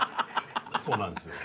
そうなんですよ。